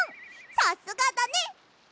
さすがだね。